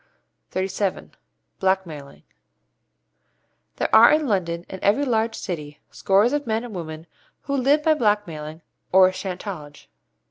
XXXVII. BLACKMAILING There are in London and every large city scores of men and women who live by blackmailing or chantage.